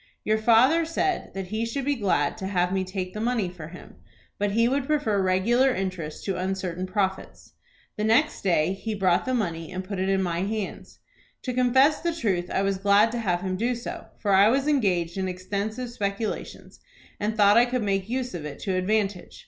'" "Your father said that he should be glad to have me take the money for him, but he would prefer regular interest to uncertain profits. The next day he brought the money, and put it in my hands. To confess the truth I was glad to have him do so, for I was engaged in extensive speculations, and thought I could make use of it to advantage.